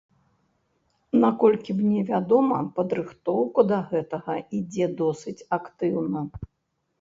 Наколькі мне вядома, падрыхтоўка да гэтага ідзе досыць актыўна.